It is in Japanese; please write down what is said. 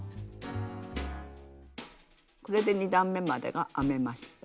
これで２段めまでが編めました。